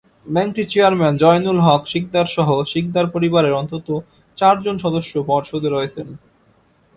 ব্যাংকটির chairman Joynul Haque শিকদারসহ শিকদার পরিবারের অন্তত চারজন সদস্য পর্ষদে রয়েছেন।